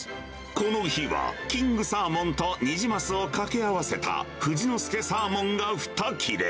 この日は、キングサーモンとニジマスをかけ合わせた富士の介サーモンが２切れ。